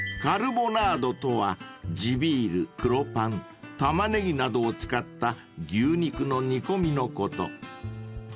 ［カルボナードとは地ビール黒パンタマネギなどを使った牛肉の煮込みのこと］